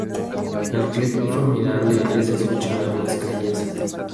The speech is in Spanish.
El clip Formidable es escuchado en las calles.